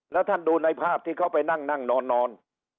แล้วท่านดูในภาพที่เขาไปนั่งนั่งนอน